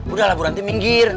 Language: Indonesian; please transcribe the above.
udah lah bu ranti minggir